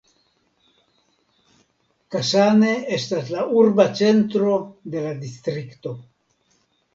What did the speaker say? Kasane estas la urba centro de la Distrikto.